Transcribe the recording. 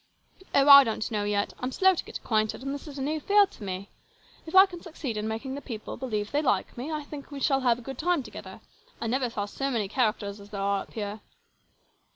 " Oh, I don't know yet. I'm slow to get acquainted, and this is a new field to me. If I can succeed in making the people believe they like me, I think we shall have a good time together. I never saw so many characters as there are up here."